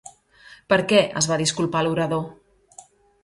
Per què es va disculpar l'orador?